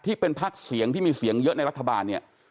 ที่เป็นภักดิ์เสียงที่มีเสียงเยอะในรัฐบาล